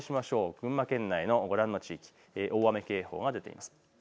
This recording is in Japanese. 群馬県内のご覧の地域、大雨警報が出ています。